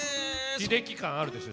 秀樹感あるでしょ